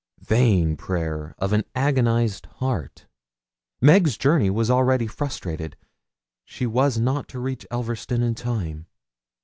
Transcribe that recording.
Vain prayer of an agonised heart! Meg's journey was already frustrated: she was not to reach Elverston in time.